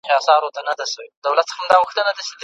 تعلیم یافته میندې د ماشومانو د لاسونو پاک ساتل ښيي.